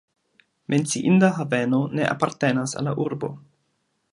Menciinda haveno ne apartenas al la urbo.